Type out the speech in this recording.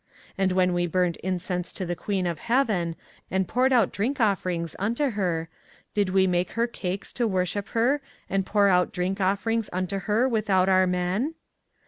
24:044:019 And when we burned incense to the queen of heaven, and poured out drink offerings unto her, did we make her cakes to worship her, and pour out drink offerings unto her, without our men?